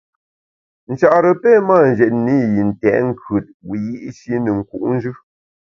Nchare pe mâ njètne i yi ntèt nkùt wiyi’shi ne nku’njù.